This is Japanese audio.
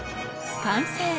完成！